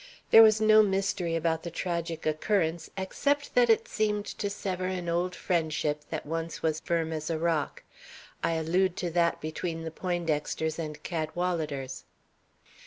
There was no mystery about the tragic occurrence except that it seemed to sever an old friendship that once was firm as a rock. I allude to that between the Poindexters and Cadwaladers."